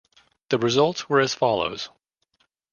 The results were as follows